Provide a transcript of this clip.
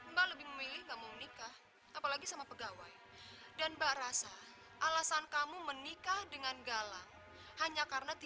mbak lebih memilih kamu nikah apalagi sama pegawai dan barasa alasan kamu menikah dengan galang hanya